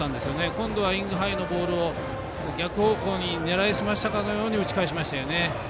今度はインハイのボールを逆方向に狙いすましたかのように打ち返しましたよね。